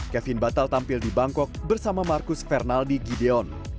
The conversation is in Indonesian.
kevin batal tampil di bangkok bersama marcus fernaldi gideon